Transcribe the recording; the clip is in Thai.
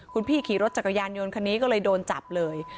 คุณพี่ขี่รถจักรยานยนต์คันนี้ก็เลยโดนจับเลย